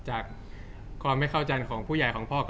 จากความไม่เข้าจันทร์ของผู้ใหญ่ของพ่อกับแม่